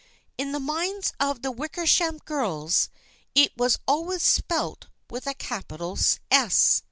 In the minds of the Wickersham girls it was always spelt with a capital S.